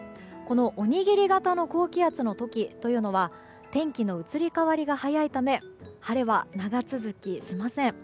おにぎり形の高気圧の時というのは天気の移り変わりが早いため晴れは長続きしません。